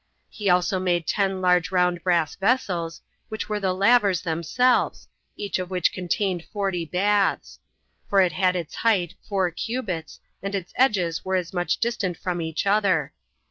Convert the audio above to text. He also made ten large round brass vessels, which were the lavers themselves, each of which contained forty baths; 10 for it had its height four cubits, and its edges were as much distant from each other.